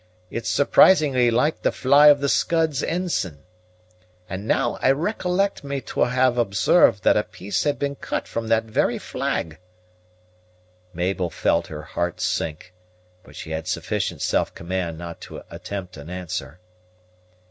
It's surprisingly like the fly of the Scud's ensign. And now I recollect me to have observed that a piece had been cut from that very flag." Mabel felt her heart sink, but she had sufficient self command not to attempt an answer.